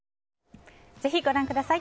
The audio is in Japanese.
ぜひご覧ください。